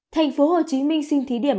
thành phố hồ chí minh xin thí điểm